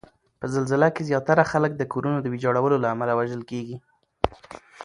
په زلزله کې زیاتره خلک د کورونو د ویجاړولو له امله وژل کیږي